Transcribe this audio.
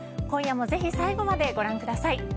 今夜もぜひ最後までご覧ください。